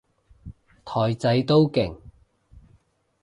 台仔都勁？